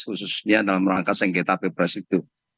khususnya dalam rangka sengketa pilpres itu